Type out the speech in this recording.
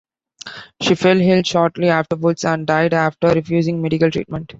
She fell ill shortly afterwards and died after refusing medical treatment.